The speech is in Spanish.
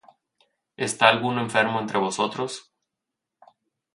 ¿Está alguno enfermo entre vosotros?